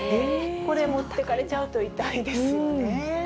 これ持ってかれちゃうと、痛いですよね。